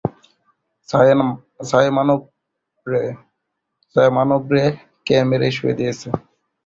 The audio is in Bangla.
ছায়ামানব রে কে মেরে শুইয়ে দিয়েছে।